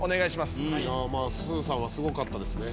すーさんはすごかったですね。